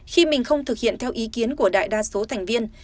khi mình không thực hiện theo ý kiến của đại đa số thành viên